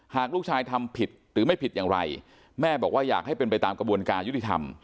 หากลูกชายทำผิดหรือไม่ผิดอย่างไรแม่บอกว่าอยากให้เป็นไปตามกระบวนการยุติธรรม